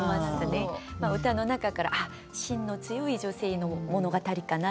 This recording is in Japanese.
歌の中からしんの強い女性の物語かな。